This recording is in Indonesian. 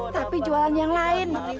tapi jualan yang lain